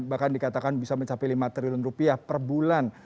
bahkan dikatakan bisa mencapai lima triliun rupiah per bulan